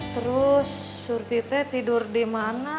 terus surti teh tidur di mana